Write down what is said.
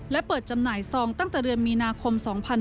และเปิดจำหน่ายซองตั้งแต่เดือนมีนาคม๒๕๕๙